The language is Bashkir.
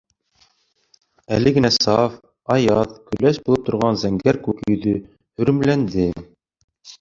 Әле генә саф, аяҙ, көләс булып торған зәңгәр күк йөҙө һөрөмләнде.